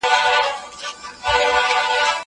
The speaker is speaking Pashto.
هغه وويل چي مکتب مهم دی؟!